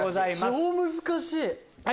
超難しい！